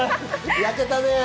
焼けたね。